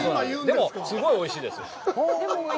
でも、すごいおいしいです。